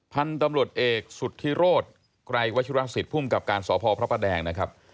พันธุ์ตำรวจเอกสุธิโรธไกรวัชิรสิทธิภูมิกับการสพพระประแดงนะครับ